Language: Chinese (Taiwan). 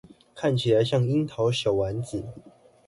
看起來像櫻桃小丸子